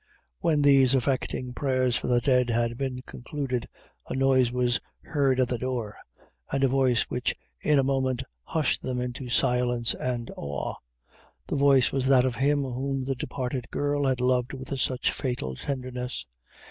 When these affecting prayers for the dead had been concluded, a noise was heard at the door, and a voice which in a moment hushed them into silence and awe. The voice was that of him whom the departed girl had loved with such fatal tenderness.